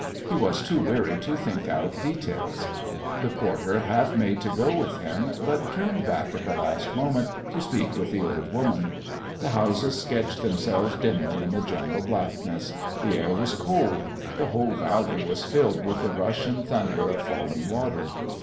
He was too weary to think out details. The porter half made to go with him, but turned back at the last moment to speak with the old woman. The houses sketched themselves dimly in the general blackness. The air was cold. The whole valley was filled with the rush and thunder of falling water.